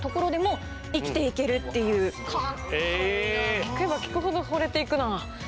聞けば聞くほどほれていくな。